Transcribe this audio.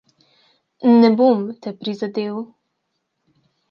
Ne bom te prizadel.